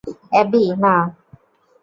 Abby, না!